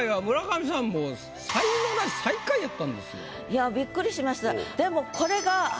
先生いやびっくりしました。